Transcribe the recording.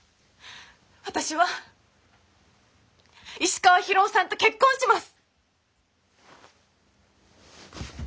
私は石川博夫さんと結婚します。